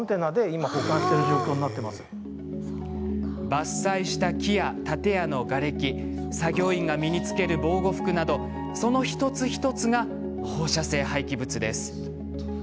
伐採した木や、建屋のがれき作業員が身に着ける防護服などその一つ一つが放射性廃棄物。